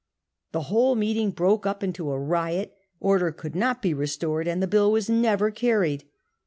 The whole meeting broke up into a riot, order could not be restored, and the bill was never carried.